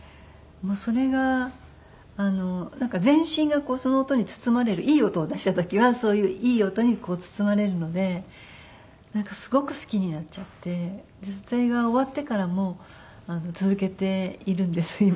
それがあの全身がその音に包まれるいい音を出した時はそういういい音に包まれるのでなんかすごく好きになっちゃって撮影が終わってからも続けているんです今。